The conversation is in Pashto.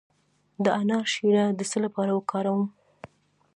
د انار شیره د څه لپاره وکاروم؟